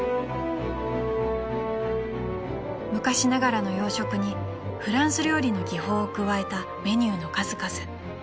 ［昔ながらの洋食にフランス料理の技法を加えたメニューの数々］